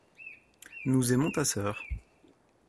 nous aimons ta sœur.